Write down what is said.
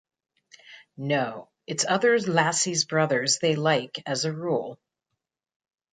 No, it's other lassies' brothers they like as a rule.